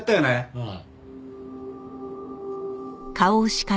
うん。